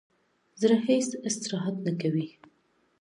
زړه هیڅ استراحت نه کوي